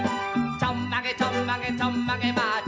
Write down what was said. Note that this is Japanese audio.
「ちょんまげちょんまげちょんまげマーチ」